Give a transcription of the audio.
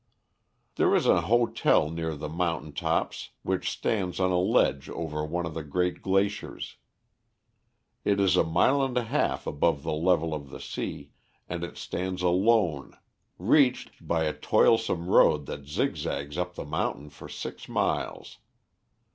There is an hotel near the mountain tops which stands on a ledge over one of the great glaciers. It is a mile and a half above the level of the sea, and it stands alone, reached by a toilsome road that zigzags up the mountain for six miles.